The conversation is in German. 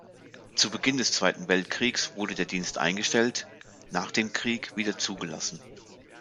Zu Beginn des Zweiten Weltkriegs wurde der Dienst eingestellt, nach dem Krieg wieder zugelassen.